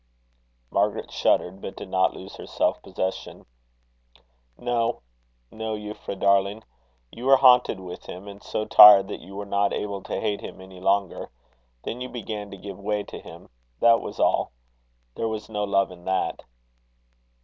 Margaret shuddered, but did not lose her self possession. "No, no, Euphra, darling. You were haunted with him, and so tired that you were not able to hate him any longer. Then you began to give way to him. That was all. There was no love in that."